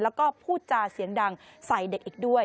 แล้วก็พูดจาเสียงดังใส่เด็กอีกด้วย